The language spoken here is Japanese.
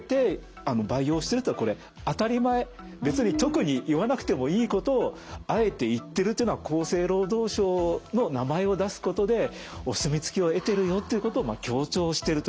別に特に言わなくてもいいことをあえて言ってるというのは厚生労働省の名前を出すことでお墨付きを得てるよっていうことを強調してると。